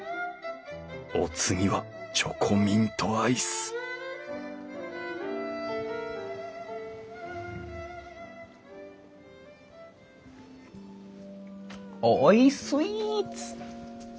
お次はチョコミントアイスおいスイーツ！